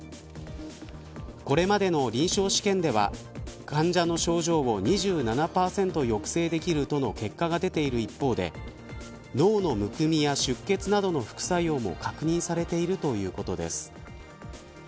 これまでの臨床試験では患者の症状を２７％抑制できるとの結果が出ている一方で脳のむくみや出血などの副作用も確認されているということです。